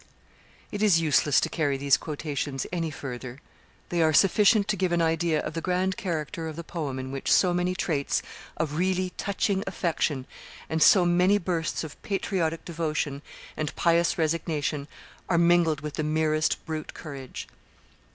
It is useless to carry these quotations any further; they are sufficient to give an idea of the grand character of the poem in which so many traits of really touching affection and so many bursts of patriotic devotion and pious resignation are mingled with the merest brute courage.